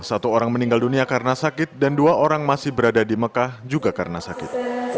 satu orang meninggal dunia karena sakit dan dua orang masih berada di mekah juga karena sakit